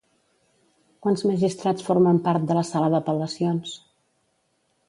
Quants magistrats formen part de la sala d'apel·lacions?